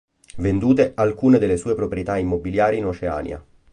Vendute alcune delle sue proprietà immobiliari in Oceania.